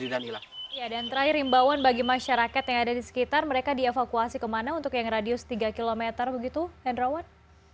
dan terakhir imbawan bagi masyarakat yang ada di sekitar mereka dievakuasi kemana untuk yang radius tiga km begitu hendrawan